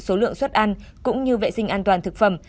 số lượng xuất ăn cũng như vệ sinh an toàn thực phẩm